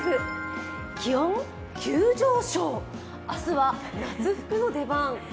気温急上昇、明日は夏服の出番。